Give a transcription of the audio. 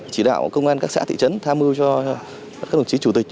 chỉ đạo công an các xã thị trấn tham mưu cho các đồng chí chủ tịch